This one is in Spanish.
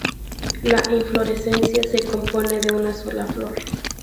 La inflorescencia se compone de una sola flor.